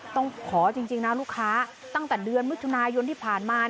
ต้องขอจริงนะลูกค้าตั้งแต่เดือนมิถุนายนที่ผ่านมา